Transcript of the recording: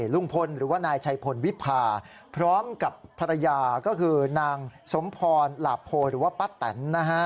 ลุงพลหรือว่านายชัยพลวิพาพร้อมกับภรรยาก็คือนางสมพรหลาโพหรือว่าป้าแตนนะฮะ